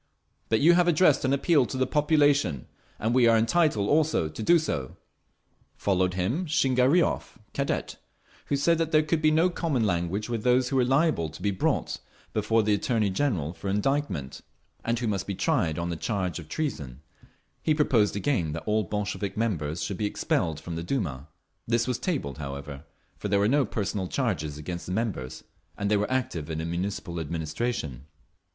But you have addressed an Appeal to the population, and we are entitled also to do so…." Followed him Shingariov, Cadet, who said that there could be no common language with those who were liable to be brought before the Attorney General for indictment, and who must be tried on the charge of treason…. He proposed again that all Bolshevik members should be expelled from the Duma. This was tabled, however, for there were no personal charges against the members, and they were active in the Municipal administration.